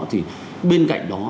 thì bên cạnh đó